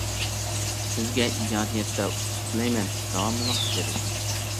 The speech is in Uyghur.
سىزگە ئىجادىيەتتە ئۇتۇق تىلەيمەن داۋاملىق تىرىشىڭ!